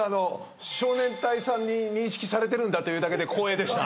少年隊さんに認識されてるんだというだけで光栄でした。